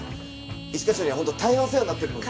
一課長には本当大変お世話になってるので。